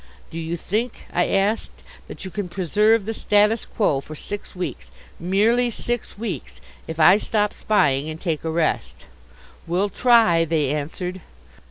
"Do you think," I asked, "that you can preserve the status quo for six weeks, merely six weeks, if I stop spying and take a rest?" "We'll try," they answered.